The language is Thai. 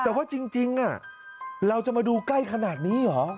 แต่ว่าจริงเราจะมาดูใกล้ขนาดนี้เหรอ